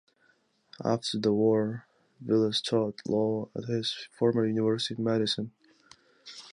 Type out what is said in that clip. After the war, Vilas taught Law at his former university in Madison.